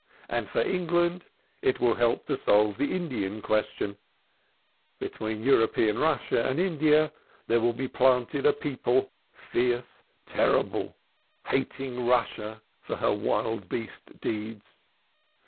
And for England it will help to solve the Indian question Between European Russia and India there will be planted a people, fierce, terrible, hating Russia for her wild beast deeds.